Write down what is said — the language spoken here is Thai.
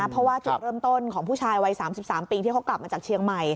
เพราะว่าจุดเริ่มต้นของผู้ชายวัย๓๓ปีที่เขากลับมาจากเชียงใหม่